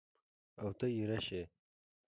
اوته اېره شې!